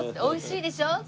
美味しいでしょ？」